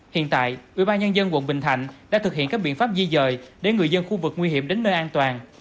hiện tại ủy ban nhân dân quận bình thạnh đã thực hiện các biện pháp di dời để người dân khu vực nguy hiểm đến nơi an toàn